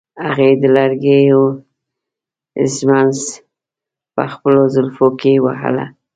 هغې د لرګي ږمنځ په خپلو زلفو کې وهله.